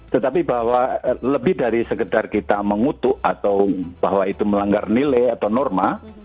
tetapi bahwa lebih dari sekedar kita mengutuk atau bahwa itu melanggar nilai atau norma